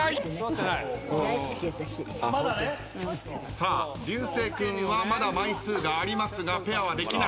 さあ流星君はまだ枚数がありますがペアはできない。